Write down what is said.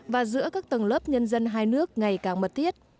và giữa các tầng lớp nhân dân hai nước ngày càng mật thiết